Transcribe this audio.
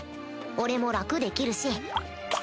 俺も楽できるし